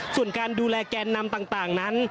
ส่วนการดูแลแกนนำต่างนั้น